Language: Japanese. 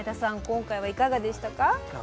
今回はいかがでしたか？